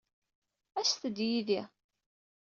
Aset-d yid-i.